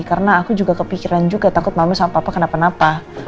karena aku juga kepikiran juga takut mama sama papa kenapa napa